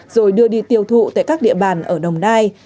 rồi đưa đi tiêu thụ tại các địa bàn ở đồng nai